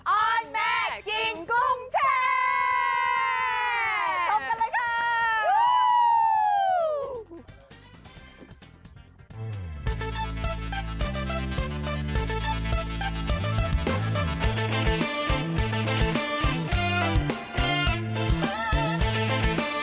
ออนแมกกิ้งกุ้งแชร์